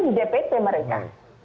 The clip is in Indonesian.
di dpt mereka